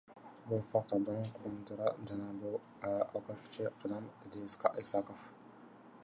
Бул факт абдан кубандырат жана бул алгачкы кадам, — деди Исаков.